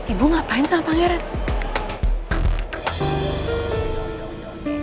ibu ngapain sama pangeran